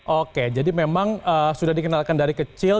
oke jadi memang sudah dikenalkan dari kecil